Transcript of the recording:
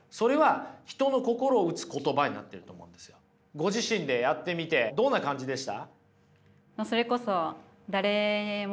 ご自身でやってみてどんな感じでした？